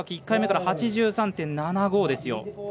１回目から８３．７５ですよ。